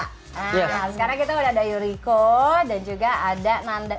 nah sekarang kita udah ada yuriko dan juga ada nanda